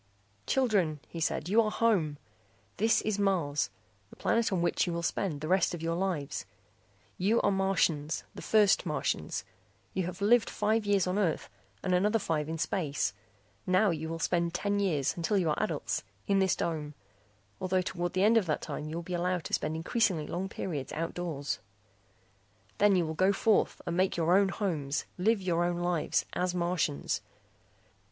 "Children," he said, "you are home. This is Mars, the planet on which you will spend the rest of your lives. You are Martians, the first Martians. You have lived five years on Earth and another five in space. Now you will spend ten years, until you are adults, in this dome, although toward the end of that time you will be allowed to spend increasingly long periods outdoors. "Then you will go forth and make your own homes, live your own lives, as Martians.